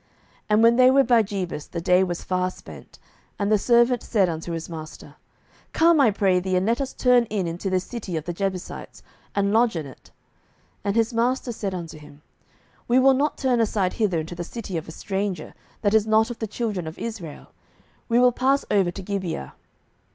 07:019:011 And when they were by Jebus, the day was far spent; and the servant said unto his master, Come, I pray thee, and let us turn in into this city of the Jebusites, and lodge in it. 07:019:012 And his master said unto him, We will not turn aside hither into the city of a stranger, that is not of the children of Israel; we will pass over to Gibeah.